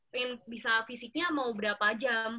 pengen bisa fisiknya mau berapa jam